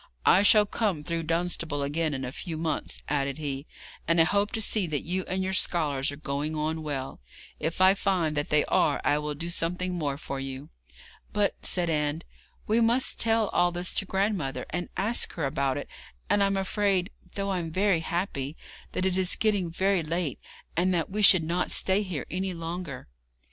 'I shall come through Dunstable again in a few months,' added he, 'and I hope to see that you and your scholars are going on well. If I find that they are I will do something more for you.' 'But,' said Anne, 'we must tell all this to grandmother, and ask her about it; and I'm afraid though I'm very happy that it is getting very late, and that we should not stay here any longer.'